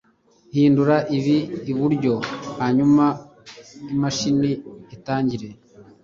hindura ibi iburyo, hanyuma imashini itangire